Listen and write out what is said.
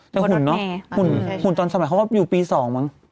แต่หุ่นเนอะหุ่นตอนสมัยเขาก็อยู่ปี๒มั้ง